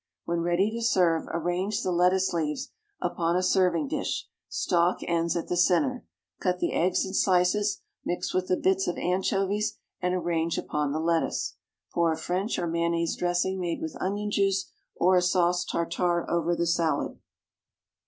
When ready to serve, arrange the lettuce leaves upon a serving dish, stalk ends at the centre, cut the eggs in slices, mix with the bits of anchovies, and arrange upon the lettuce. Pour a French or mayonnaise dressing made with onion juice, or a sauce tartare, over the salad.